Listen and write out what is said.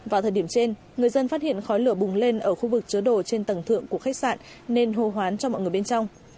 vào thời điểm trên người dân phát hiện khói lửa bùng lên ở khu vực chứa đồ trên tầng thượng của khách sạn nên hô hoán cho mọi người bên trong